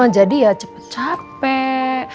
jadi ya cepet capek